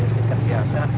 seperti stiker biasa